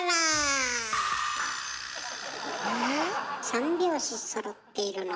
三拍子そろっているの。